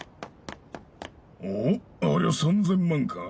おおっありゃ３０００万か？